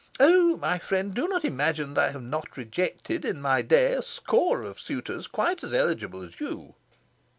Oh my friend, do not imagine that I have not rejected, in my day, a score of suitors quite as eligible as you."